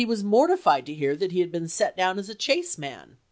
he was mortified to hear that he had been set down as a Chase man.